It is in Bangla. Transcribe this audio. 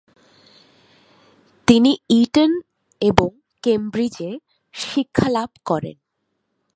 তিনি ইটন এবং ক্যামব্রিজ-এ শিক্ষা লাভ করেন।